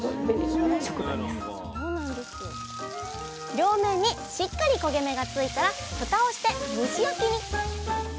両面にしっかり焦げ目がついたらふたをして蒸し焼きに。